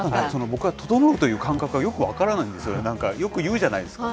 僕はととのうという感覚がよく分からないんですよ、なんか、よく言うじゃないですか。